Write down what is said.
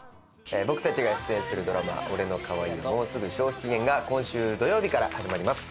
僕たちが出演するドラマ『俺の可愛いはもうすぐ消費期限！？』が今週土曜日から始まります。